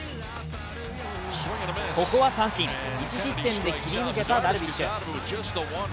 ここは三振、１失点で切り抜けたダルビッシュ。